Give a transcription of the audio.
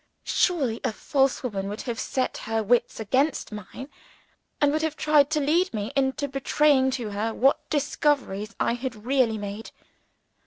Surely a false woman would have set her wits against mine, and have tried to lead me into betraying to her what discoveries I had really made?